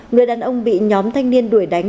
người đàn ông bị nhóm thanh niên đuổi đánh